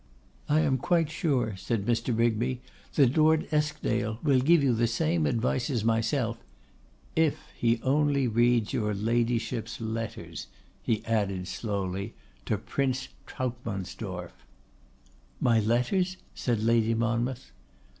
'I am quite sure,' said Mr. Rigby, 'that Lord Eskdale will give you the same advice as myself, if he only reads your Ladyship's letters,' he added slowly, 'to Prince Trautsmansdorff.' 'My letters?' said Lady Monmouth.